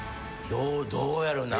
どうやろな。